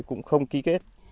cũng không ký kết